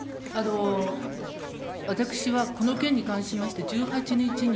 私は、この件に関しまして１８日に